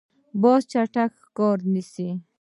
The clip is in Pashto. باز چټک ښکار نیسي.